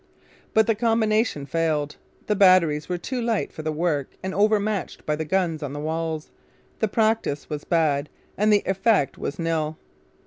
But the combination failed: the batteries were too light for the work and overmatched by the guns on the walls, the practice was bad, and the effect was nil.